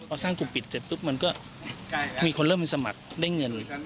พอสร้างกลุ่มปิดเสร็จปุ๊บมันก็มีคนเริ่มมีสมัครได้เงิน